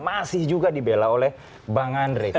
masih juga dibela oleh bang andre